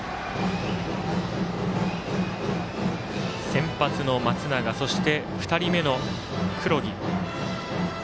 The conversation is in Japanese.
先発の松永、そして２人目の黒木。